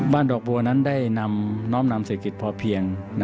ดอกบัวนั้นได้นำน้อมนำเศรษฐกิจพอเพียง